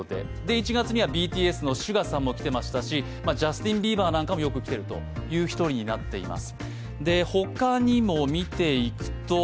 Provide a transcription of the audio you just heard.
１月にはＢＴＳのＳＵＧＡさんも来ていましたしジャスティン・ビーバーなんかもよく来ているという１人になっています。